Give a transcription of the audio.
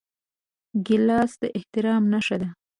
ګیلاس د احترام نښه ده.